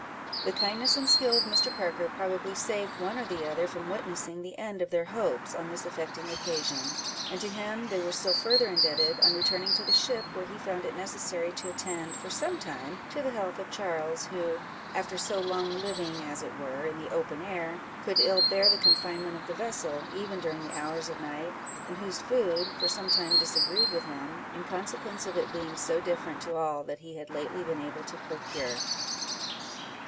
The kindness and skill of Mr. Parker probably saved one or the other from witnessing the end of their hopes, on this affecting occasion; and to him they were still further indebted, on returning to the ship, where he found it necessary to attend, for some time, to the health of Charles, who, after so long living, as it were, in the open air, could ill bear the confinement of the vessel, even during the hours of night, and whose food, for some time, disagreed with him, in consequence of its being so different to all that he had lately been able to procure.